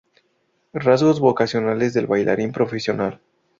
Rasgos vocacionales del bailarín profesional".